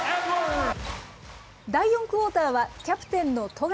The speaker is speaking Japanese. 第４クオーターはキャプテンの富樫。